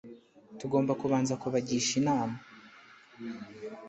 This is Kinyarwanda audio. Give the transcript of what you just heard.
tugomba kubanza kuba gisha inama.